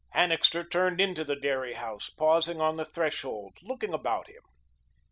Annixter turned into the dairy house, pausing on the threshold, looking about him.